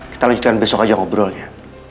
kita lanjutkan besok aja ngobrolnya